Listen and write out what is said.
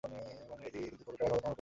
বনিদি কিন্তু খুব রাগ হবে তোমার ওপর।